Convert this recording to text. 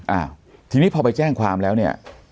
อ่าทีนี้พอไปแจ้งความแล้วเนี่ย